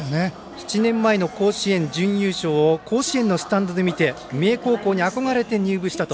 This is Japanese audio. ７年前、甲子園準優勝をスタンドで見て、三重高校に憧れて入部したと。